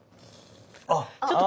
あっ！